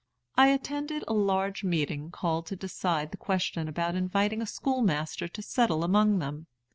"I attended a large meeting called to decide the question about inviting a schoolmaster to settle among them.